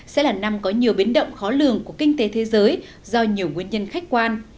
sẽ là năm có nhiều biến động khó lường của kinh tế thế giới do nhiều nguyên nhân khách quan